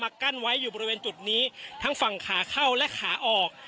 กั้นไว้อยู่บริเวณจุดนี้ทั้งฝั่งขาเข้าและขาออก